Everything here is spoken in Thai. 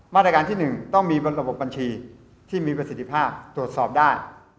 มาตรการที่๑ต้องมีบนระบบบัญชีที่มีประสิทธิภาพตรวจสอบได้